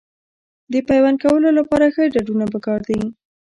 د پیوند کولو لپاره ښه ډډونه پکار دي.